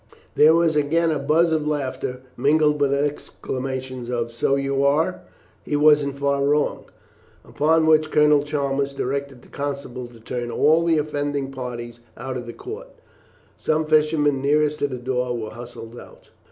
There was again a buzz of laughter, mingled with exclamations of "So you are," "He wasn't far wrong;" upon which Colonel Chalmers directed the constable to turn all the offending parties out of court. Some fishermen nearest to the door were hustled out.